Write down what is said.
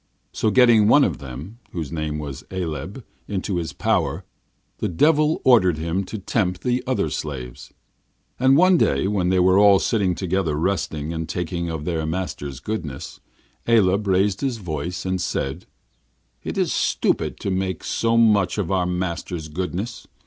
So getting one of them, whose name was Aleb, into his power, the Devil ordered him to tempt the other slaves. And one day, when they were all sitting together resting and talking of their master's goodness, Aleb raised his voice, and said: 'It is stupid to make so much of our master's goodness.